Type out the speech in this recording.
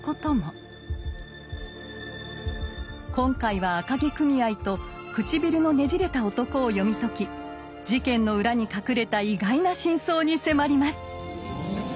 今回は「赤毛組合」と「唇のねじれた男」を読み解き事件の裏に隠れた意外な真相に迫ります！